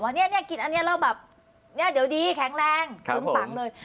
ว่าเนี่ยกินอันนี้เราแบบเดี๋ยวดีแข็งแรงถึงปังเลย